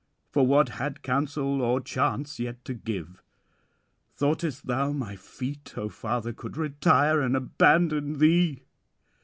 For what had counsel or chance yet to give? Thoughtest thou my feet, O father, could retire and abandon thee?